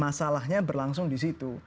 nah masalahnya berlangsung disitu